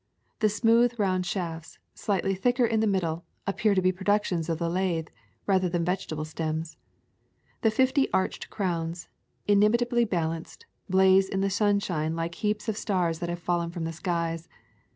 The smooth round shafts, slightly thicker in the middle, appear to be productions of the lathe, rather than vegetable stems. The fifty arched crowns, inimitably balanced, blaze in the sun shine like heaps of stars that have fallen from the skies.